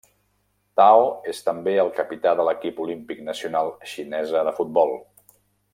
Tao és també el capità de l'equip olímpic nacional xinesa de futbol.